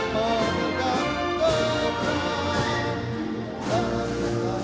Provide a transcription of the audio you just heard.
pemenangan peleg dan pilpres dua ribu dua puluh empat